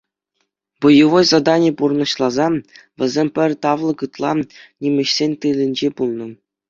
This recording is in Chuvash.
Боевой задание пурнӑҫласа, вӗсем пӗр тавлӑк ытла нимӗҫсен тылӗнче пулнӑ.